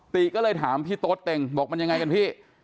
ติก็เลยถามพี่โต๊ดเต็งบอกมันยังไงกันพี่